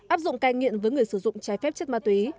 áp dụng cai nghiện với người sử dụng trái phép chất ma túy